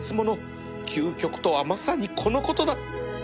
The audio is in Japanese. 究極とはまさにこのことだ